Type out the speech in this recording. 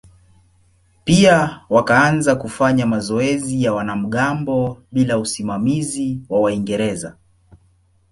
Pia wakaanza kufanya mazoezi ya wanamgambo bila usimamizi wa Waingereza.